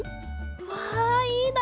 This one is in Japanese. うわいいな！